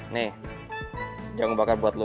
nih jago bakar buat lo